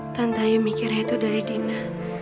tante yang mikirnya itu dari dina